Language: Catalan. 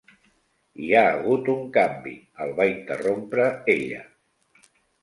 "Hi ha hagut un canvi", el va interrompre ella.